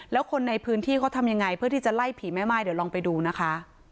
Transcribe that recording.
แล้วคนในพื้นที่เขาทำยังไงเพื่อที่จะไล่ผีแม่ม่ายเดี๋ยวลองไปดูนะคะ